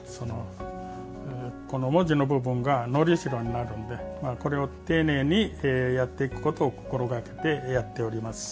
この文字の部分がのりしろになるんでこれを丁寧にやっていくことを心がけてやっております。